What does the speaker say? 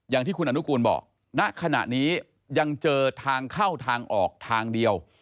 อย่างที่คุณอนุกูลบอกณขณะนี้ยังเจอทางเข้าทางออกทางเดียว